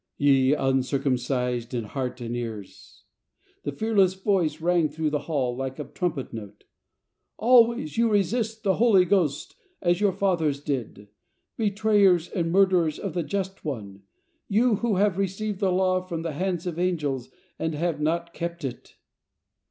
" Ye uncircumcised in heart and ears," the fearless voice rang through the hall like a trumpet note, " always you resist the Holy Ghost as your fathers did. Betrayers and murderers of the Just One, you who have received the Law from the hands of angels, and have not kept it."